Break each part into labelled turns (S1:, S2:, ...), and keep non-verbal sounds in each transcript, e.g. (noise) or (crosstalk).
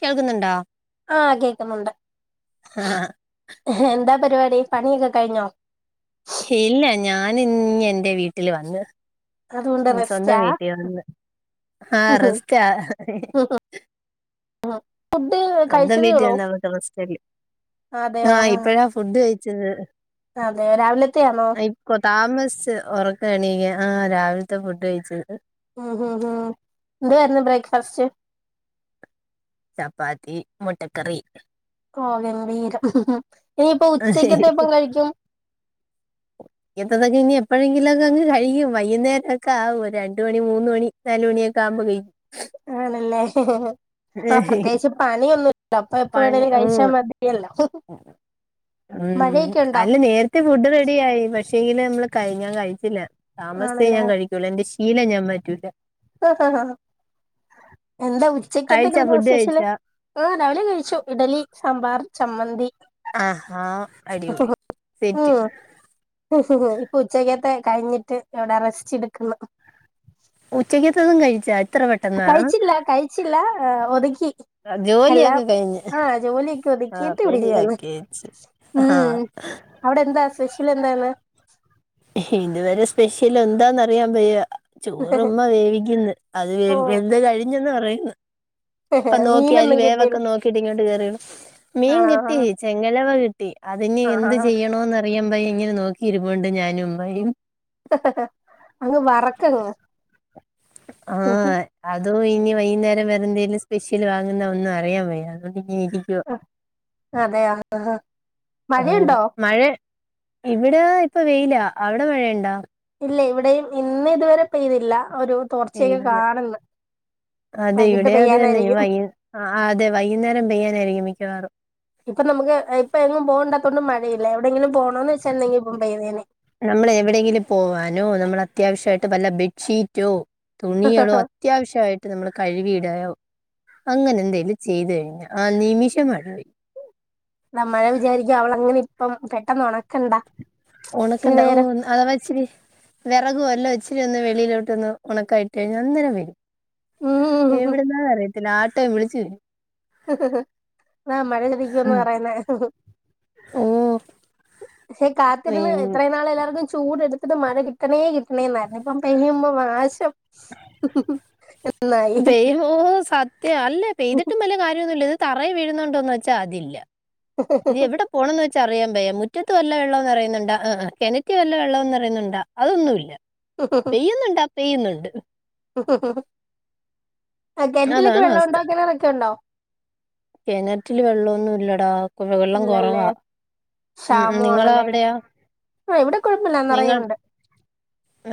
S1: കേൾക്കുന്നുണ്ടോ
S2: ആഹ് കേക്കുന്നുണ്ട്
S1: ആ
S2: എന്താ പരിപാടി പണിയൊക്കെ കഴിഞ്ഞോ
S1: ഇല്ല ഞാന ഇനി എന്റെ വീട്ടില് വന്ന്
S2: അതുകൊണ്ട്
S1: ഉം സ്വന്തം
S2: റെസ്റ്റാ
S1: വീട്ടിൽ വന്നു ആഹ റെസ്റ്റഅ
S2: ആഹ്
S1: സ്വന്തം വീട്ടിൽ വന്ന റെസ്റ്റ
S2: അതെയോ
S1: ആ
S2: ആഹ്
S1: ഇപ്പഴാ ഫുഡ് കഴ
S2: അതെയോ രാവിലത്തെയാണോ
S1: ഇപ്പൊ താമസിച്ച ഉറക്കം എന്നിറ്റെ ആഹ് രാവിലത്തെ ഫുഡ് കഴിച്ചത്
S2: ഉ ഹ ഹ വേരന്ന് ബ്രേക്ഫാസ്
S1: ചപ്പാത്തി മുട്ടക്കറി
S2: കീരം ഇനിയിപ്പ ഉച്ചക്കത്തെ ഇപ്പം കഴിക്കും
S1: ഇങ്ങനത്തതൊക്കെ ഇനി എപ്പോഴെങ്കിലൊക്കെ അങ്ങ് കഴിക്കും വൈകുന്നേരംക്കെ ആ ഒരു രണ്ട മണി മൂന്ന് മണി നാല മണിയ കമ്പ കയി
S2: ആ പ്രത്യേകിച്ച് പണിയൊന്നും അപ്പ എപ്പ
S1: പണി
S2: വേണെും കഴിച്ചാ
S1: ഉം
S2: മതിയല്ലോ
S1: ഉം
S2: മഴയൊക്കെ ഉണ്ടോ
S1: അല്ല നേരത്തെ ഫുഡ് റെഡി ആയി പക്ഷെ ശീല നമ്മള് ക ഞാൻ കഴിച്ചില്ല താമസത്തെേ
S2: ആണല്ലേ
S1: ഞാൻ കഴിക്കൂുള്ള എന്റെ ശീലം ഞാൻ പറ്റൂില്ല
S2: ആഹ ഹഹഹ എന്താ ഉച്ചക്കത്തൊക്കെ
S1: കഴിച്ചാ ഫുഡ്
S2: എന്താശേഷല്
S1: കഴിച്ചാ
S2: ആ രാവിലെ കഴിച്ചു ഇഡലി സാമ്പാർ ചമ്മന്തി
S1: ആഹ ആഹ അടിപൊളി സെറ്റ്
S2: ഉ ഇപ്പൊ ഉച്ചക്കത്തെ കഴിഞ്ഞിട്ട് എവിടെ റസ്റ്റ് എടുക്കുന്നു
S1: ഉച്ചക്ക്ത്തന്നും കഴിച്ച
S2: കഴിച്ചില്ല കഴിച്ചില്ല ഒതുക്കി എല്ലാം
S1: ജോലിയൊക്കെ കഴിഞ്ഞ്
S2: ആഹ ജോലിയൊക്കെ
S1: ആഹ്
S2: ഒതുക്കിട്ട ഇവിടരിക്കന്ന്
S1: റെഡിയാക്കി വെച്ച് ആഹ്
S2: ഉം അവിടെ എന്താ സ്പെഷ്യൽ എന്തായിന്ന്
S1: ഇതുവരെ സ്പെഷ്യൽ എന്താന്ന് അറിയാൻ പോയ ചോറമ്മ വേവിക്കുന്നു അത് വേ
S2: ഓ
S1: എന്താ കഴിഞ്ഞന്ന് പറയുന്നു
S2: (unintelligible)
S1: ഇപ്പൊ നോക്കി അരി
S2: മീനൊന്നും കിട്ടിയില്ല
S1: വേവൊക്കെ നോക്കിട്ട് ഇങ്ങോട്ട് കേയറ മീൻ
S2: ആണോ
S1: കിട്ടി ചെങ്ങലവ കിട്ടി അതി ഇെ
S2: ആഹ്
S1: എന്ത്
S2: ആഹ്
S1: ചെയ്യണോന്ന്റിയാൻ ഭൈ ഇങ്ങനെ നോക്കി ഇരുണ്ട് ഞാനും ഭൈ
S2: അങ്ങ് വറക്കങ്
S1: ആഹ അത ഇനി വൈകുന്നേരം വറെന്തേിലും സ്പെഷ്യൽാങ്ങുന്ന ഒന്നും അിയൻ പോ അത ഇരിക്കുവാ
S2: അതെയോ
S1: ഏ
S2: മഴയുണ്ടോ
S1: മഴ ഇവിടെ ഇപ്പൊ വെയില അവിടെ മഴയണ്ടാ
S2: ഇല്ല ഇവിടെയും ഇന്ന് ഇതുവരെ പെയ്തില്ല ഒരു തോർച്ച ച്ചയക്കെ
S1: വെയിലില്ല
S2: കാണന്ന്
S1: അതെ ഇവിടെ അത് തന്നെ വൈക അതെ വൈകുന്നേരം പെയ്യാനായിരിക്കും മിക്കവാറും
S2: ഇപ്പൊ നമുക്ക് ഇപ്പ എങ്ങും പോണ്ടത്തതൊണ്ട് മഴയില്ല എവിടെയെങ്കിലും പോ
S1: നമ്മൾ എവിടെയെങ്കിലും പോവാനോ നമ്മള അത്യാവശ്യമായിട്ട് വല്ല ബെഡ്ഷീറ്റോ തുണികളോ അത്യാവശ്യമായിട്ട് നമ്മള് കഴുകിയിടുക അങ്ങനെന്തേലും ചെയ്തു കഴിഞ്ഞ ആ നിമിഷ മഴ
S2: ഇ മഴ വിചാരിക്കുക അവള അങ്ങനെ ഇപ്പം പെട്ടെന്ന് ഉണക്കണ്ടാ
S1: ണക്കെണ്ട അത വച്ചിരി വിറകുവല്ലാം ഒച്ചിരി ഒന്ന് വെളിയിലോട്ട് ഒന്ന് ഉണക്കായിട്ട് കഴിഞ്ഞാൽ അന്നരം വരും
S2: ഉം
S1: എവിടുന്നാ അറിയത്തില്ല ആട്ടയുംവിളിച്ചു വരും
S2: ആ മഴൽരിക്കുംന്ന് പറയുന്നേ
S1: ഓ
S2: പക്ഷെ കാത്തിരുന്ന്
S1: പിന്നെ
S2: ഇത്രയും നാൾ എല്ലാവർക്കും ചൂട്ടുത്തത് മഴ കിട്ടണേ കിട്ടണേ എന്നായിരുന്നു ഇപ്പ പെയ്യുമ്പോാശം
S1: വ ഓ സത്യ അല്ലേ പെയതട്ട വല്ല ക ഇത് തറ വീഴുന്നുണ്ടോന്ന് വെച്ചാൽ അതില്ല ഇത് എവിടെ പോണംന്ന് വെച്ചാ അറിയാം യ മുറ്റത്ത് വല്ല വെള്ളംന്ന്റയുന്നുണ്ട് ആ് കിണറ്റി വല്ല വെള്ളംന്ന്റയുന്നുണ്ട് അതൊന്നുമ ഇല്ല പെയ്യുന്നുണ്ടാ പെയ്യുന്നുണ്ട്
S2: ഹ് ഹ് കിണറ്റിലക്കെ
S1: അതാണ്
S2: വെള്ളം ഉണ്ടോ കിണറൊക്കെ ഉണ്ടോ
S1: കിനറ്റില് വെള്ളമൊന്നും ഇല്ലടാ കു വെള്ളം
S2: ഇല്ലല്ലേ
S1: കുറവാ ഉം
S2: ക്ഷാമം
S1: നിങ്ങളോ
S2: ആണല്ലേ
S1: അവിടെയ
S2: ആ ഇവിടെ കുഴപ്പമില്ല നിറയെ
S1: നിങ്ങൾ
S2: ഉണ്ട്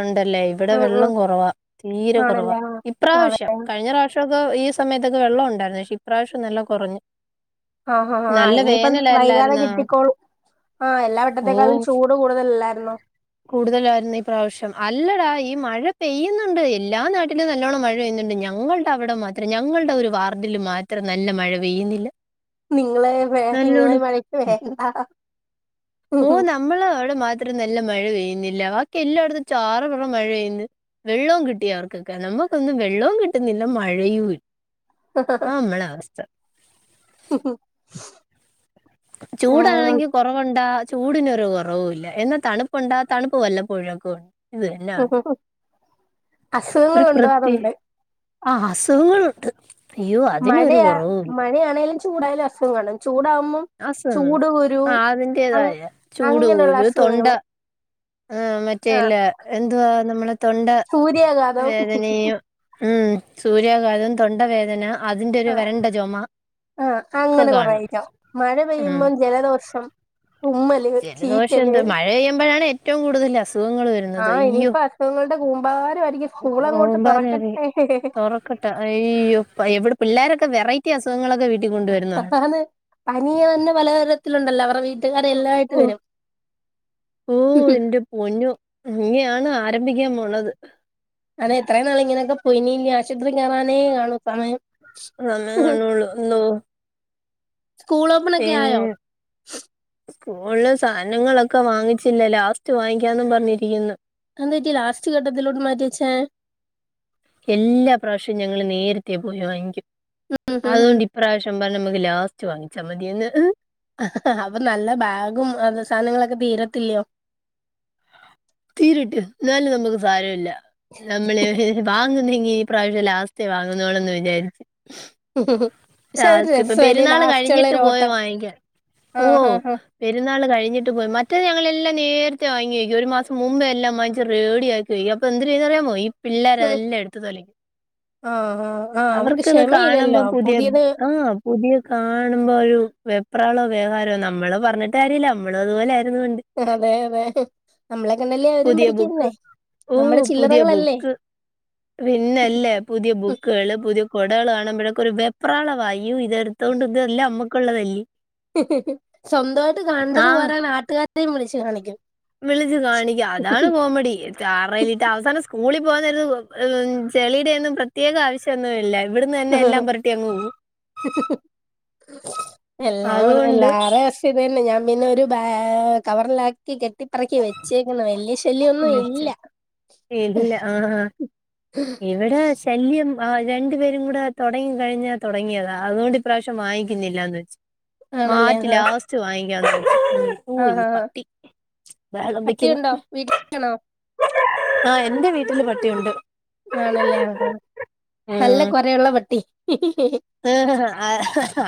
S1: ഉണ്ടല്ലേ ഇവിടെ
S2: ഉം ഉം
S1: വെള്ളം കുറവാ തീരെ കുറവാ
S2: ആണല്ലേ ആ അതെ
S1: ഇപ്രാവശ്യം കഴിഞ്ഞ പ്രാവശ്യം പക്ഷൊക്കെ ഈ സമയത്തൊെള്ളം ഉണ്ടായിരുന്നുക്ഷ ഇപ്രാവശ്യംല്ല കുറഞ്ഞു
S2: ആഹ ആ ആ
S1: നല്ല
S2: ഇനിയിപ്പം വൈകാതെ
S1: വേനലല്ലായിരുന്നാ
S2: കിട്ടിക്കോളൂ ആഹ എല്ലാ
S1: ഓ
S2: വട്ടത്തെേക്കാളും ചൂട് കൂടുതലല്ല
S1: കൂടുതലായിരുന്നു ഈ പ്രാവശ്യം അല്ലടാ ഈ മഴ പെയ്യുന്നുണ്ട് എല്ലാ നാട്ടിലും നല്ലോണം മഴ്യ അണ്ട് ഞങ്ങളുടെ അവിടെ മാത്രം ഞങ്ങളുടെ ഒരു വാർഡില് മാത്രം നല്ല മഴ പെയ്യുന്നില്ല
S2: നിങ്ങളെ വേ നിങ്ങളെ
S1: നല്ലോണം
S2: മഴ ക്ക് വേണ്ട
S1: ഓ നമ്മള അവിടെ മാത്രം നല്ല മഴ പെയ്യ ബാക്കി എല്ലായിടത്തും ചാറപറ മഴയെയ്യ വെള്ളവും കിട്ടിയ അവർക്കൊക്കെ നമുക്കൊന്നും വെള്ളവും കിട്ട ിട്ടുന്നില്ല മഴയുംആ നമ്മള അവസ്ഥ
S2: ഉ
S1: ചൂടാണെങ്കി കൊറവണ്ടാ ചൂടിനൊരു കുറവല്ല എന്നാ തണുപ്പുണ്ടാ തണുപ്പ് വല്ലപ്പോഴൊക്കും ഉണ്ട് ഇത് തന്ന്യം
S2: അസുഖങ്ങൾ ഉണ്ടവാറുണ്ട്
S1: ആഹ അസുഖങ്ങളുണ്ട് അയ്യോ അതിനൊരു
S2: മഴയാ
S1: കുറവുമില്ല
S2: മഴയാണെങ്കലും ചൂടായാലും അസുഖം കാണും ചൂടാവുമ്പും
S1: അസുഖങ്ങള്
S2: ചൂട് കുരു
S1: ആ
S2: അ
S1: അതിന്റേതായ
S2: അങ്ങനെയുള്ള അസുഖങ്ങള്
S1: ആഹ
S2: ആഹ്
S1: മറ്റേല്ല എന്തുവാ നമ്മളെ തൊണ്ട
S2: സൂര്യാഘാതം
S1: വേദനയും ഉ സൂര്യാഘാതം തൊണ്ടവേദന അതിന്റെ ഒരു വരണ്ട ചുമ
S2: ആ
S1: ഒക്കെ
S2: അങ്ങനെ
S1: കാണും
S2: കൊറായിരിക്കോ മഴ
S1: ഉം
S2: പെയ്യുമ്പോം ജലദോഷം ഉ
S1: ജലദോഷം എന്ത് മഴ പെയ്യുമ്പോഴാണ് ഏറ്റവും കൂടുതൽ അസുഖങ്ങൾ വരുന്നത്
S2: ആഹ്
S1: അയ്യോ
S2: ഇനിയിപ്പോ അസുഖങ്ങളുടെ കൂമ്പാരമായിരിക്കും സ്കൂളങ്ങോട്ട്
S1: മ്പ
S2: തുറക്കട്ടെ
S1: തുറക്ക ഈ എവിടെ പിള്ളോരൊക്കെ വെറൈറ്റി അസുഖങ്ങളൊക്കെ വീട്ടിൽ കൊണ്ടുവരുന്നതാണ്
S2: ത് പനിയ തന്നെ പലതരത്തിലുണ്ടല്ലോ അവടെ വീട്ടുകാരെ എല്ലാായിട്ട് വരും
S1: ഓ എന്റെ പൊന്നോ ഇങ്ങെയാണ് ആരംഭിക്കാൻ പോണത്
S2: അതെ എത്രയും നാള ഇങ്ങനെയൊക്കെ പോയിനി ആശുപത്രി കേറാണ് കാണും സമയം
S1: മേ കാണള്ളുന്തോ
S2: സ്കൂൾ ഓപ്പൺ ഒക്കെ ആയോ
S1: പിന്ന സ്കൂളില സാധനങ്ങളൊക്കെ ഒക്കെ വാങ്ങിച്ചില്ല ലാസ്റ്റ് വാങ്ങിക്കാന്നും പറഞ്ഞിരിക്കുന്നു
S2: അന്ത വട്ടി ലാസ്റ്റ് കഘട്ടത്തിലോട്ട് മാറ്റി വച്ചേ
S1: എല്ലാ പ്രാവശ്യവും ഞങ്ങള്ൾ നേരത്തെ പോയി വാങ്ങിക്കും അതുകൊണ്ട് ഇപ്രാവശ്യം പറ നമുക്ക് ലാസ്റ്റ് വാങ്ങിച്ചാ മതിയന്ന്
S2: അപ്പൊ നല്ല ബാഗും സാധനങ്ങളൊക്കെ തീരത്തില്ലയോ
S1: തീരിട്ട് എന്നാലും നമുക്ക് സാരമില്ല നമ്മള് വാങ്ങ ന്തെങ്ക ഈ പ്രാവശ്യം ലാസ്റ്റേ വാങ്ങുന്നോന്ന് വിചാരിച്ചു
S2: ഉ
S1: രാ ഇപ്പ പെരുന്നാൾ കഴിഞ്ഞിട്ട് പോയ
S2: ഓട്ടം
S1: വാങ്ങിക്കൻ ഓ
S2: ആഹ് ആഹ്
S1: പെരുന്നാൾ കഴിഞ്ഞ പോയി മറ്റേ ഞെല്ലാം നേരത്തെ വാങ്ങി വയ്ക്ക ഒരു മാസംമ്പേ എല്ലാം വാങ്ങി റെഡിയാക്കി വോക്ക അ എന്ന്ത് ചെയ്യ മ (unintelligible) പിള്ളോര
S2: ആഹ്
S1: അതെല്ലാം എടുത്തു തൊലിക്കി
S2: ആഹ് ആഹ് ആഹ്
S1: അവർക്ക് ഇത് കാണുമ്പോ
S2: ക്ഷമയില്ലല്ലോ
S1: പുതിയ
S2: പുതിയത്
S1: ആ പുതിയ കാണുമ്പോ ഒരു വെപ്രാളോ വ്യഹാരോ നമ്മള് പറഞ്ഞിട്ട്ര്യമല്ല നമ്മള് അതുപോലെ ആയിരുന്നു പണ്ട്
S2: അതെ അതെ നമ്മളെ കണ്ടല്ലേ അവരും
S1: പുതിയ ബുക്ക്
S2: പഠിക്കരുന്നേ
S1: ഓ
S2: നമ്മുടെ
S1: പുതിയ
S2: ചില്ലറകളല്ലേ
S1: ബുക്ക് പിന്നല്ലേ പുതിയ ബുക്കുകള് പുതിയ കുടകൾ കാണുമ്പോഴേക്കെ ഒരു വെപ്രാള വായു ഇതെടുത്ത കൊണ്ട് ഇത അല്ലേ അമ്മക്കുള്ളതല്ലേ
S2: സ്വന്തമായിട്ട് കണ്ടത് പോരാൻ നാട്ടുകാാരെയും വിളിച്ചു കാണിക്കും
S1: വിളിച്ചു കാണിക്കുക അതാണ് കോമഡിറയിലിട്ട് അവസാനം മോളി പോകുന്നത് ചെളിയുടെ ഒന്നും പ്രത്യേക ആവശ്യമൊന്നുമില്ല ഇവിടന്ന് തന്നെ എല്ലാം പരട്ടി അങ്ങ് പോു
S2: എല്ലാ എല്ലാര അവസ്ഥ ഇത് തന്നെ ഞാൻ പിന്നെ ഒരുാ കവറിലാക്കി കെട്ടിപ്പറക്കി വെച്ചേക്കുന്ന വലിയ
S1: മച്ച ഇല്ല ആ എവിടെ ശല്യം ആ രണ്ടു പേരും കൂടെ തുടങ്ങി കഴിഞ്ഞ തുടങ്ങിയതാ അതുകൊണ്ട് ഇപ്രാവശ്യം വാങ്ങിക്കുന്നില്ലാന്ന് വെച്ചു
S2: ആണല്ലേ ആഹ്
S1: മാറ്റില്ല അവസ്റ്റ് വാങ്ങിക്കാ ഓ
S2: ആഹ്
S1: ഈ
S2: ആഹ്
S1: പട്ടി വേടം വിക്കുന്നു
S2: ക്ഷണോ
S1: ആ എന്റെ വീട്ടില് പട്ടിയുണ്ട്
S2: ആണല്ലേ ആണ
S1: ഉ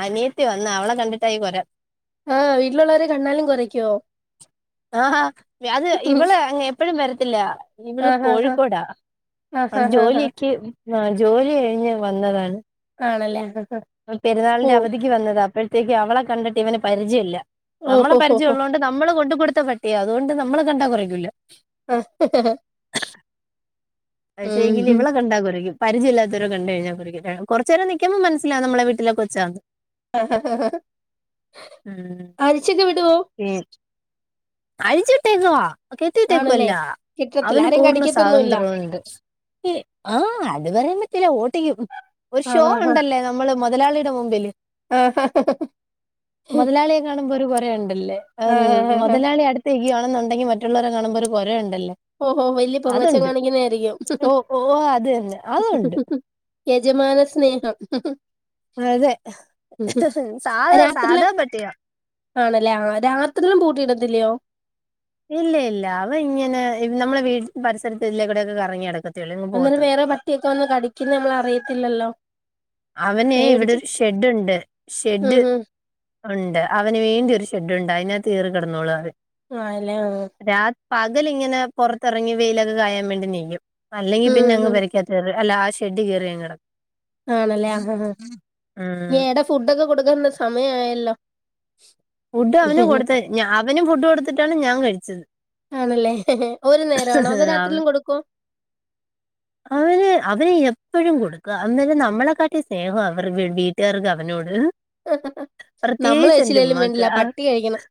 S1: അനിയത്തി വന്ന അവള കണ്ടിട്ടായി കൊരാം
S2: ആഹ് വീട്ടിലുള്ളവരെ കണ്ണാലും കുറയ്ക്കുവോ
S1: ആാ അത് ഇവള് എപ്പഴും വരത്തില്ല ഇവള്
S2: ആഹ് ആഹ്
S1: കോഴിക്കോടാ
S2: ആഹ്
S1: അത്
S2: ആഹ് ആഹ്
S1: ജോലിയൊക്കെ ആ ജോലി കഴിഞ്ഞ് വന്നതാണ്
S2: ആണല്ലേ ആഹ് ഓ
S1: പെരുന്നാളിന്റെ അവധിക്ക് വന്നത് അപ്പോഴത്തേക്ക് അവളെ കണ്ടിട്ട് ഇവന് പരിചയമില്ല നമ്മളെ
S2: ഓഹോ ഹോ
S1: പരിചയം
S2: ഹോ
S1: ഉള്ളത്ണ്ട് നമ്മള് കൊണ്ട് കൊടുത്ത പട്ടിയ അതുകൊണ്ട് നമ്മള് കണ്ടാ കുറയ്ക്കൂില്ല പിൽ
S2: ഉം
S1: ഇവള ക ഉണ്ടാക്കകുംരക്കും പരിചയില്ലാത്തരരെ കണ്ട കഴിഞ്ഞൽ കുകുറച്ച നേം നൽക്കുമ്പോ മനസിലാവകും നമ്മടെ വീട്ടിലെ ക്കെച്ചന്ന് ഉം.
S2: ആ അഴിച്ചൊക്കെ വിടുവോ
S1: അഴചിട്ടേക്കവാ
S2: ആണല്ലേ
S1: കെത്തിട്ടേക്കുവല്ല
S2: കിട്ടത്തില്ല
S1: അവന്
S2: ആരെയും
S1: പൂർണ്ണ
S2: കടിക്കത്തൊന്നുമില്ല
S1: സ്വാതന്ത്ര്യംണ്ട് ആ് അത്വൻറ്റ ചില ഓട്ടിക്കും ഒരു ഷോ
S2: ആഹ് ആഹ്
S1: ഉണ്ടല്ലേ നമ്മള് മുതലാളിയുടെ മുമ്പില്
S2: ആഹ്
S1: മുതലാളിയെ കാണുമ്പോ ഒരു കൊറെ ഉണ്ടല്ലേ
S2: ആഹ് ആഹ് ആഹ്
S1: (unintelligible) അടുത്ത് നിക്കുവാണെന്നൊണ്ടെങ്കി മറ്റുള്ളവരെ കാണുമ്പോ ഒര് കൊര ഒണ്ടല്ലോ
S2: ഓഹോ വലിയ പൊങ്ങച്ചം കാണിക്കുന്നയായിരിക്കും
S1: ഓ ഓ ഓ, അത് തന്നെ അതുണ്ട്
S2: യജമാന സ്നേഹം
S1: അതെ സാധാ
S2: രാത്രിലും
S1: സാധാ പട്ടിയാ
S2: ആണല്ലേ ആ രാത്രിലും പൂട്ടിയിടത്തില്ലിയോ
S1: ഇല്ല ഇല്ല അവ ഇങ്ങനെ നമ്മളെ വീ പരിസരത്ത് ഇല്ലേ കൂടൊക്കെ കറങ്ങിനടക്
S2: അന്നേരം വേറെ പട്ടിയൊക്കെ വന്ന് കടിക്കുന്ന നമ്മളറിയത്തില്ലല്ലോ
S1: അവന് ഇവിടൊരു ഷെഡ്ഡുണ്ട് ഷെഡ്
S2: ഉം ഉം
S1: ഒണ്ട് അവന് വേണ്ടി ഒരു ഷെഡ്ഡുണ്ട് അതിനാത്ത് കേറി കിടന്നോളും അവൻ
S2: ആല്ലേ ആഹ്
S1: രാ പകലിങ്ങനെ പുറത്തിറങ്ങി വെയിലൊക്കെ കായാൻ വേണ്ടി നെയ്യും അല്ലെങ്കിൽ
S2: ഉം
S1: പിന്നെ അങ്ങ്
S2: ഉം
S1: പേരക്കാത്കേറി അല്ല ആ ഷെഡി കേറിയങ്ങു കെട
S2: ആണല്ലേ ആഹ് ആഹ് ഇനി അയാടെ ഫുഡൊക്കെ കൊടുക്കാനുള്ള സമയായല്ലോ
S1: ഫുഡ് അവന് കൊടുത്ത അവനും ഫുഡ് കൊടുത്തിട്ടാണ് ഞാൻ കഴിച്ചത്
S2: ആണല്ലേ ഒരു
S1: അവ
S2: നേരമാണോ
S1: (unintelligible)
S2: അതോ രാത്രിയിലും കൊടുക്കുവോ
S1: അവര് എപ്പ് എപ്പഴും കൊടുക്കാ അന്നരം നമ്മളെക്കാട്ടി സ്നേഹവ അവർ വീട്ടുകാർക്ക് അവനോട്
S2: നമ്മൾ
S1: പ്രത്യേകിച്ച് എന്റെ
S2: കഴച്ചില്ലേലും
S1: ഉമ്മാക്ക്
S2: വേണ്ടില്ല പട്ടി കഴിക്കണം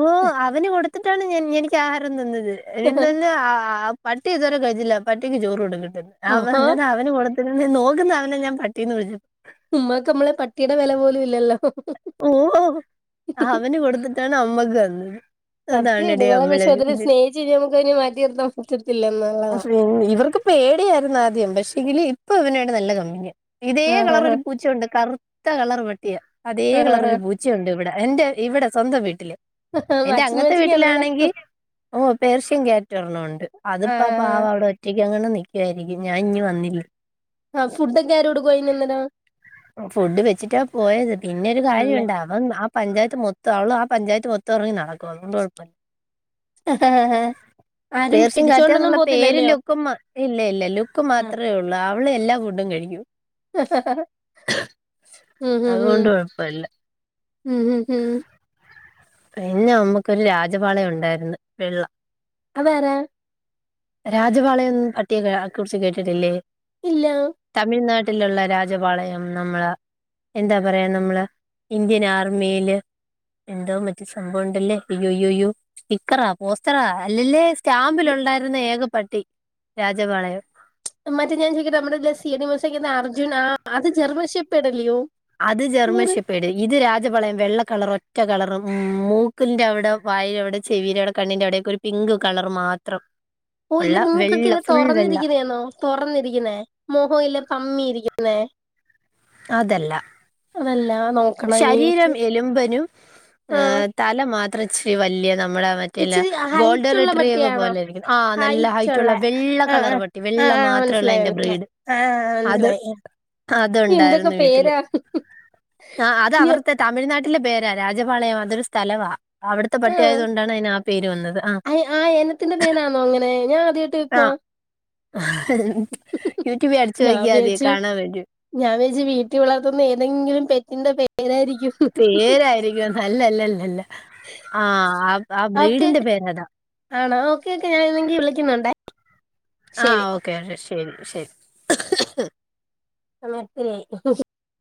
S1: ഓ അവന് കൊടുത്തിട്ടാണ് ഞാൻ എനിക്ക് ആഹാരം തന്നത് (unintelligible) തന്നെ ആ പട്ടി ഇതുവരെ കഴിച്ചില്ല പട്ടിക്ക് ചോറ് കൊടുക്കട്ട്
S2: ആഹാ
S1: അതങ്ങനാ അവന് കൊടുത്തിരുന്നേൽ നോക്കുന്ന അവനെ ഞാൻ പട്ടീന്ന് വിളിച്ച
S2: ഉമ്മാക്ക് നമ്മളെ പട്ടിടെ വെല പോലും ഇല്ലല്ലോ
S1: ഓ ഓ അവന് കൊടുത്തിട്ടാണ് അമ്മക്ക് തന്നത്
S2: സത്യാ
S1: അതാണെടി
S2: നിങ്ങളെ (unintelligible)
S1: നമ്മള്
S2: പക്ഷെ അതിന് സ്നേഹിച്ച് കഴിഞ്ഞാ നമുക്ക് അതിനെ മാറ്റി നിർത്താൻ പറ്റത്തില്ല എന്നുള്ളതാ
S1: ഇവർക്ക് പേടിയായിരുന്നു ആദ്യം പക്ഷെ എങ്കില് ഇപ്പൊ ഇവനുവായിട്ട് നല്ല കമ്പനിയാ ഇതേ
S2: ആഹ്
S1: കളർ
S2: ആഹ്
S1: ഒരു പൂച്ചയുണ്ട് കറുത്ത കളർ പട്ടിയാ (unintelligible)
S2: ആഹ്
S1: കളർ
S2: ആഹ്
S1: ഒരു പൂച്ചയുണ്ട് ഇവിടെ എന്റെ ഇവിടെ സ്വന്തം വീട്ടില്
S2: ആഹ്
S1: എന്റെ
S2: മാച്ചിങ്
S1: അങ്ങത്തെ
S2: മാച്ചിങ് ആണല്ലോ
S1: വീട്ടിലാണെങ്കി ഓ പേർഷ്യൻ ക്യാറ്റ് ഒരെണ്ണമൊണ്ട് അതിപ്പ
S2: ആഹ്
S1: പാവ അവിടെ ഒറ്റയ്ക്കങ്ങനെ നിക്ക് വാരിക്കും ഞാൻ ഇഞ്ഞു വന്നില്ലേ
S2: ആ ഫുഡൊക്കെ ആര് കൊടുക്കും അയിനന്നേരം
S1: ഫുഡ് വെച്ചിട്ടാ പോയത് പിന്നെ ഒരു കാര്യം
S2: ആണല്ലേ
S1: ഒണ്ട് അവൻ ആ പഞ്ചായത്ത് മൊത്തം അവള് ആ പഞ്ചായത്ത് മൊത്തം ഇറങ്ങി നടക്കും അതുകൊണ്ട് കൊഴപ്പവില്ല
S2: ആഹ്
S1: പേർഷ്യൻ ക്യാറ്റാന്നുള്ള പേര് ലുക്കും മാ ഇല്ല ഇല്ല ലുക്ക്
S2: ആഹ്
S1: മാത്രെ ഒള്ളു ആ നമ്മള് എല്ലാ ഫുഡും കഴിക്കും
S2: ഉം
S1: അതുകൊണ്ട്
S2: ഉം
S1: കുഴപ്പമില്ല
S2: ഉം ഉം
S1: പിന്നെ അമ്മക്കൊരു രാജപാളയം ഉണ്ടായിർന്ന് വെള്ള
S2: അതാരാ
S1: രാജപളയം ന്ന് പട്ടിയെ കുറിച്ച് കേട്ടിട്ടില്ലേ
S2: ഇല്ലാ
S1: ലുള്ള രാജപാളയം നമ്മള് എന്താ പറയാ നമ്മള് ഇന്ത്യൻ ആർമിയില് എന്തോ മറ്റു സംഭവം ഉണ്ടല്ലേ ഇയ്യോ ഇയ്യോ ഇയ്യോ സ്റ്റിക്കറാ പോസ്റ്ററാ അല്ലല്ലേ സ്റ്റാമ്പിലൊണ്ടായി രുന്ന ഏകപട്ടി രാജപാളയം
S2: മറ്റേ ഞാൻ ചോദിക്കട്ടെ നമ്മടെല്ല സീ ഐ ഡി മൂസക്കാതെ അർജുൻ ആ അത് ജർമൻ ഷേപ്പേർഡ് അല്ലിയോ
S1: അത് ജെർമ്മൻഷിപ്പേട് ഇത് രാജപളയം വെള്ളക്കളർ ഒ ഒറ്റ കളർ മൂ മൂക്കിന്റെ അവിടെ വായിൽ അവിടെ ചെവിയില അവിടെ കണ്ണിന്റെ അവിടെക്കെ ഒരു പിങ്ക് കളർ മാത്രം
S2: ഓ ഇല്ല
S1: ഉള്ള
S2: മൂക്കൊക്കെ
S1: വെള്ള
S2: ഇല്ല
S1: ഫുൾ വെള്ള
S2: തൊറന്നിരിക്കണയാണോ തൊറന്നിരിക്കുന്നേ മൊഹോ ഇല്ലെ പമ്മിയിരിക് ന്നെ
S1: അതല്ല
S2: നോക്കണം ഇനി
S1: ശരീരം എലുമമ്പനും
S2: ആഹ്
S1: തല മാത്രം ച്ചിരി വല്ലിയത മറ്റേ
S2: ഇച്ചിരി ഹൈറ്റ് ഉള്ള
S1: ല്ലഗോൾഡറട്ടറിക്ക
S2: പട്ടിയാണോ
S1: പോലിരിക്കുന്ന ആ നല്ല ഹൈ
S2: ഹൈറ്റ് ഉള്ള
S1: റ്റുള്ള വെള്ള
S2: ആ
S1: കളർ
S2: ആ
S1: പട്ടി
S2: ആ
S1: വെള്ള വിടെ
S2: ആ മനസ്സിലായി
S1: മാത്രള്ളൂതിന്റെ
S2: മനസ്സിലായി
S1: ബ്രീഡ്
S2: ആ ആ,
S1: അത്
S2: മനസ്സിലായി എന്തൊക്കെ
S1: അതുണ്ടായിരുന്നു. വീട്ടില്
S2: പേരാ
S1: ആ അത്
S2: ഞ-
S1: അവടുത്തെ തമിഴ്നാട്ടിലെ പേരാ രാജപളയം അതൊരു സ്ഥലവാ അവിടുത്തെ പട്ടിയായത് കൊണ്ടാണ് അതിന് പേര് വന്നത്. ആഹ്
S2: ആ ആ ഇനത്തിന്റെ പേരാണോ അങ്ങനെ ഞാൻ അദ്യയിട്ട് കേ ക്കുവ
S1: ആഹ് യൂട്യൂബിൽ
S2: ഞാൻ
S1: അടച്ച്നോക്കിയാതി കാണാൻ പറ്റൂ
S2: കുട്ടി വളർത്തുന്ന ഏതെങ്കിലും പെറ്റിന്റെ പേരാരിക്കും
S1: പേരായിരിക്കും ല്ലല്ലല്ലല്ല ആഹ ആ ആ
S2: ഓക്കെ
S1: ബ്രീഡിന്റെ പേരതാ
S2: ആണോ ഓക്കെ ഓക്കെ ഞാനൻന്തെങ്കി വിളിക്കുന്നുണ്ടേ
S1: ആഹ
S2: ശരി
S1: ഓക്കെ ശരി ശരി
S2: സമയത്തിരിയായി